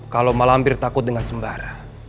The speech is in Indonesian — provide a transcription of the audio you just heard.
kalau mak lampir takut dengan sembar